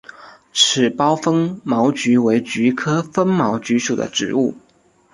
齿苞风毛菊为菊科风毛菊属的植物。